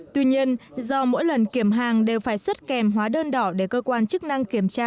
tuy nhiên do mỗi lần kiểm hàng đều phải xuất kèm hóa đơn đỏ để cơ quan chức năng kiểm tra